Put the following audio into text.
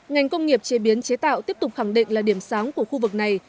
ngành công nghiệp chế biến chế tạo tiếp tục khẳng định là điểm sáng của khu vực này